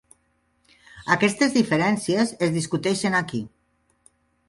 Aquestes diferències es discuteixen aquí.